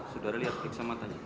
sudara lihat periksa matanya